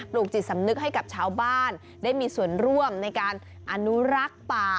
ลูกจิตสำนึกให้กับชาวบ้านได้มีส่วนร่วมในการอนุรักษ์ป่า